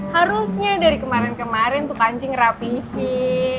harusnya dari kemarin kemarin tuh kancing rapihin